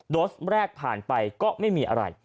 โสแรกผ่านไปก็ไม่มีอะไร